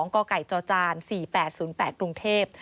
กกจ๔๘๐๘รุงเทพฯ